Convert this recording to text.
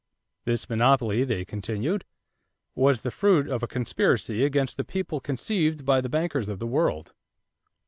This monopoly, they continued, was the fruit of a conspiracy against the people conceived by the bankers of the world.